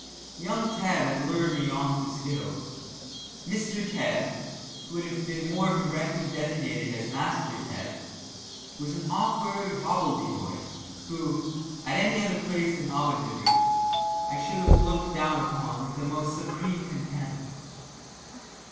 Young Tebb had lured me on to skittles. Mr. Tebb who would have been more correctly designated as "Master" Tebb was an awkward hobbledehoy, who, at any other place than Ahmednugger, I should have looked down upon with the most supreme contempt.